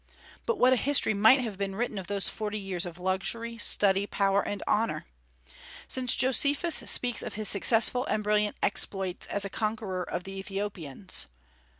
But what a history might have been written of those forty years of luxury, study, power, and honor! since Josephus speaks of his successful and brilliant exploits as a conqueror of the Ethiopians.